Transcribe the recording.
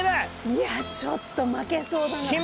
いやちょっと負けそうだな。